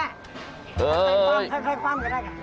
ค่อยความก็ได้กัน